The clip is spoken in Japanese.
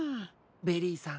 ベリーさん